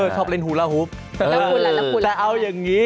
เขาบอกเขาเอวดี